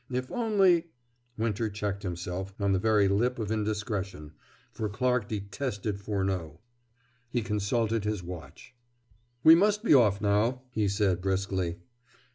If only " Winter checked himself on the very lip of indiscretion, for Clarke detested Furneaux. He consulted his watch. "We must be off now," he said briskly.